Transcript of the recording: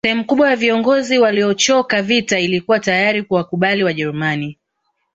Sehemu kubwa ya viongozi waliochoka vita ilikuwa tayari kuwakubali Wajerumani